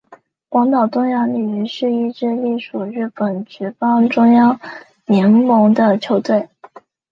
广岛东洋鲤鱼是一支隶属日本职棒中央联盟的球队。